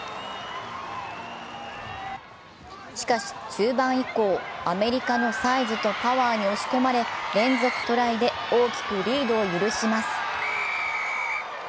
しかし、中盤以降、アメリカのサイズとパワーに押し込まれ連続トライで大きくリードを許します。